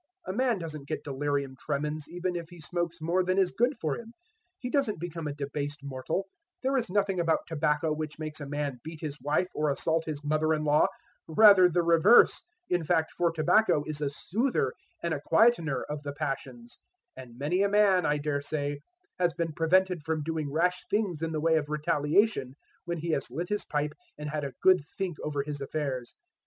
A man doesn't get delirium tremens even if he smokes more than is good for him; he doesn't become a debased mortal; there is nothing about tobacco which makes a man beat his wife or assault his mother in law rather the reverse, in fact, for tobacco is a soother and a quietener of the passions, and many a man, I daresay, has been prevented from doing rash things in the way of retaliation, when he has lit his pipe and had a good think over his affairs.